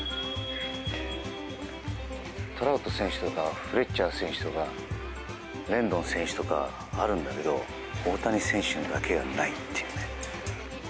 トラウト選手とかフレッチャー選手とかレンドン選手とかあるんだけど大谷選手のだけがないという。